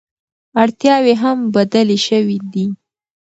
اړتیاوې هم بدلې شوې دي.